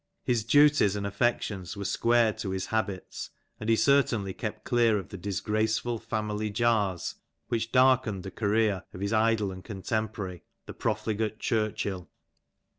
His duties and afiections were squared to his habits, and he certainly kept clear of the disgraceful family jars which darken the career of his idol and contemporary, the profligate Churchill.